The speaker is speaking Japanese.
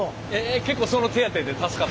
結構その手当で助かってる？